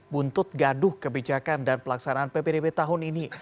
buntut gaduh kebijakan dan pelaksanaan ppdb tahun ini